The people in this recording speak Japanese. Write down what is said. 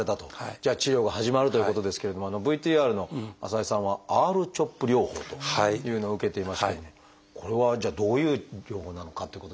じゃあ治療が始まるということですけれどもＶＴＲの浅井さんはＲ−ＣＨＯＰ療法というのを受けていましたけどもこれはじゃあどういう療法なのかっていうことですが。